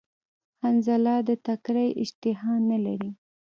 حنظله د تکری اشتها نلری